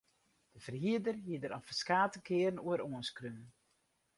De ferhierder is der al ferskate kearen oer oanskreaun.